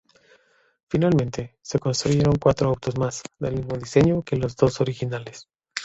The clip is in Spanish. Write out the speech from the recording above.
Finalmente, se construyeron cuatro autos más, del mismo diseño que los dos originales.